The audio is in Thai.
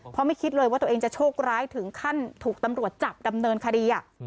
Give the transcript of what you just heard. เพราะไม่คิดเลยว่าตัวเองจะโชคร้ายถึงขั้นถูกตำรวจจับดำเนินคดี